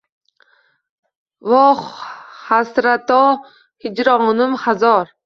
Vo hasrato, hijronim hazor